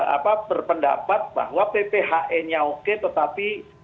apa berpendapat bahwa pphn nya oke tetapi